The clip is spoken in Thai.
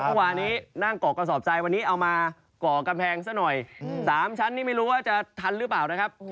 เมื่อวานนี้นั่งเกาะกระสอบทรายวันนี้เอามาก่อกำแพงซะหน่อย๓ชั้นนี่ไม่รู้ว่าจะทันหรือเปล่านะครับ